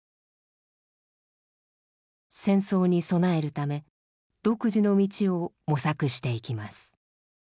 戦争に備えるため独自の道を模索していきます。